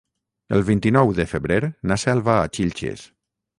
El vint-i-nou de febrer na Cel va a Xilxes.